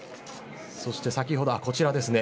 そして先ほど、こちらですね。